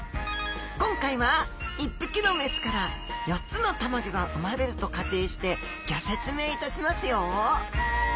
今回は１匹の雌から４つのたまギョが生まれると仮定してギョ説明いたしますよ！